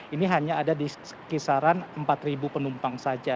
ini hanya ada di kisaran empat penumpang saja